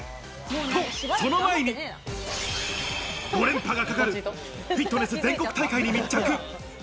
と、その前に、５連覇がかかるフィットネス全国大会に密着。